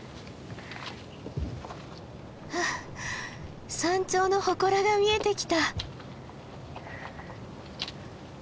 ふう山頂のほこらが見えてきた。